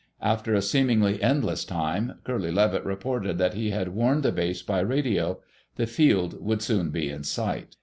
After a seemingly endless time Curly Levitt reported that he had warned the base by radio. The field would soon be in sight.